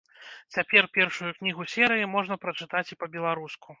Цяпер першую кнігу серыі можна прачытаць і па-беларуску.